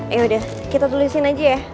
yaudah kita tulisin aja ya